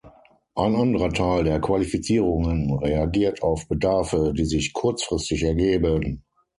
Ein anderer Teil der Qualifizierungen reagiert auf Bedarfe, die sich kurzfristig ergeben.